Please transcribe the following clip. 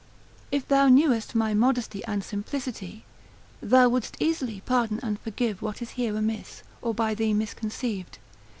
If thou knewest my modesty and simplicity, thou wouldst easily pardon and forgive what is here amiss, or by thee misconceived.